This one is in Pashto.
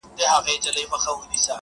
د ښکلا د دُنیا موري، د شرابو د خُم لوري.